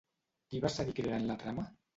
Qui va seguir creant la trama?